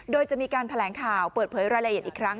โดยจะมีการแถลงข่าวเปิดเผยรายละเอียดอีกครั้ง